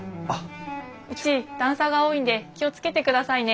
うち段差が多いんで気を付けてくださいね。